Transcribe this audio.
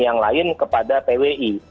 yang lain kepada pwi